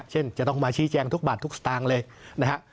เช่นจะต้องมาชี้แจงทุกบาททุกสตางค์เลย